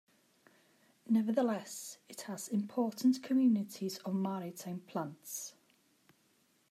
Nevertheless, it has important communities of maritime plants.